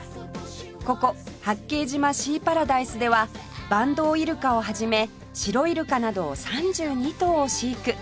ここ八景島シーパラダイスではバンドウイルカを始めシロイルカなど３２頭を飼育